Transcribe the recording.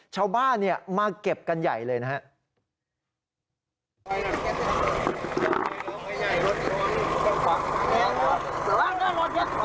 ชาวบ้านมาเก็บกันใหญ่เลยนะครับ